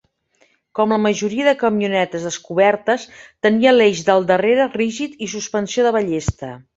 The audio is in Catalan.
Com la majoria de camionetes descobertes, tenia l'eix del darrere rígid i suspensió de ballesta.